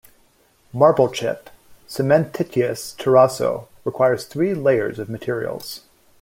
Marble-chip, cementitious terrazzo requires three layers of materials.